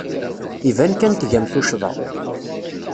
Iban kan tgam tuccḍa.